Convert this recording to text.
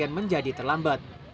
pasien menjadi terlambat